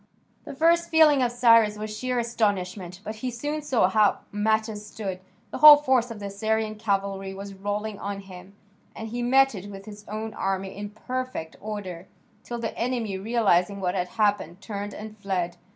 The first feeling of Cyrus was sheer astonishment, but he soon saw how matters stood. The whole force of the Assyrian cavalry was rolling on him, and he met it with his own army in perfect order, till the enemy, realising what had happened, turned and fled.